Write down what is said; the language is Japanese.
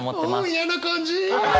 お嫌な感じ！